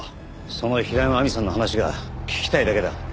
その平山亜美さんの話が聞きたいだけだ。